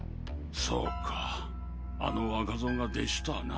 そうかあの若造が弟子たぁな。